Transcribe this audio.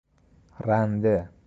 رنده